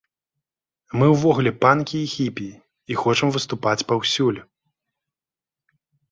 Мы ўвогуле панкі і хіпі, і хочам выступаць паўсюль.